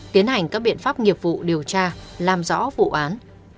tiến hành các biện pháp nghiệp vụ điều tra làm rõ vụ án